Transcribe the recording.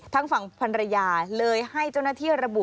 ทั้งฝั่งพันรยาเลยให้จุนัทที่ระบุ